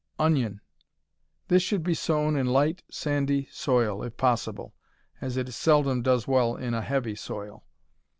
Onion This should be sown in light, sandy soil, if possible, as it seldom does well in a heavy soil.